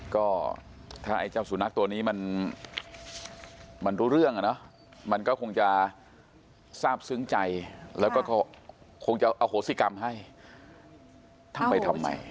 ก็ถ้าไอ้เจ้าสุนัขตัวนี้มันรู้เรื่องอ่ะเนอะมันก็คงจะทราบซึ้งใจแล้วก็คงจะอโหสิกรรมให้ทำไปทำไม